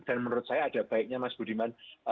dan menurut saya ada baiknya mas budiman